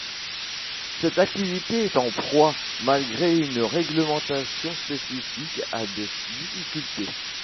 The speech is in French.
Cette activité est en proie, malgré une réglementation spécifique, à des difficultés.